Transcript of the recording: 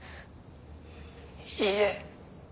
「いいえ」